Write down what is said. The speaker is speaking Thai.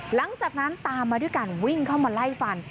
หลังจากนั้นตามมาด้วยการวิ่งเข้ามาไล่ฟัน